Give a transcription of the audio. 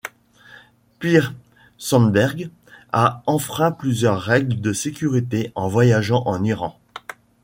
Per Sandberg a enfreint plusieurs règles de sécurité en voyageant en Iran.